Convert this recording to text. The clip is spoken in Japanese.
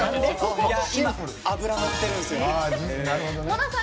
今、脂乗ってるんすよ。